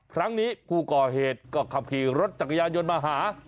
ครั้งนี้ผู้ก่อเหตุก็ขับขี่รถจักรยานยนต์มาหา